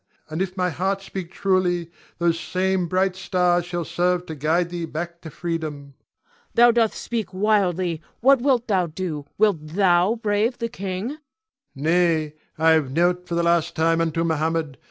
And if my heart speak truly, those same bright stars shall serve to guide thee back to freedom. Cleon. Thou doth speak wildly. What wilt thou do? Wilt thou brave the king? Ion [proudly]. Nay, I have knelt for the last time unto Mohammed.